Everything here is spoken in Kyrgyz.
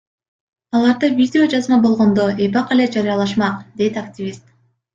Аларда видео жазма болгондо, эбак эле жарыялашмак, — дейт активист.